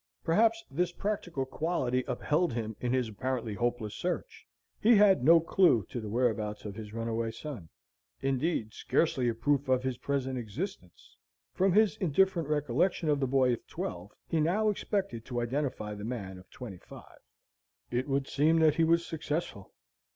Perhaps this practical quality upheld him in his apparently hopeless search. He had no clew to the whereabouts of his runaway son; indeed, scarcely a proof of his present existence. From his indifferent recollection of the boy of twelve, he now expected to identify the man of twenty five. It would seem that he was successful.